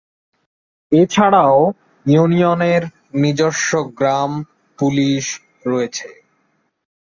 এছাড়াও ইউনিয়নের নিজস্ব গ্রাম পুলিশ রয়েছে।